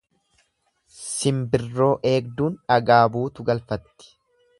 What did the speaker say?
Simbirroo eegduun dhagaa buutu galfatti.